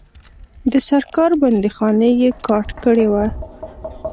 د سرکار بندیخانې یې کاټ کړي وه.